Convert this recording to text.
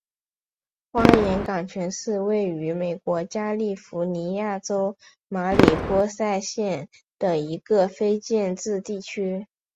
花岗岩泉是位于美国加利福尼亚州马里波萨县的一个非建制地区。